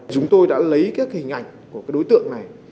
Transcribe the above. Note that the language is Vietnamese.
chúng tôi đã lấy các hình ảnh của cái đối tượng này